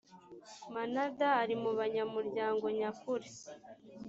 manada ari mu banyamuryango nyakuri